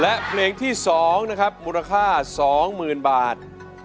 และเพลงที่สองนะครับมูลค่าสองหมื่นบาท